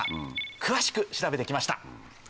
詳しく調べてきました。